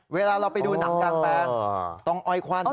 เวลาเราไปดูหนังกลางแปลงตรงอ้อยควัน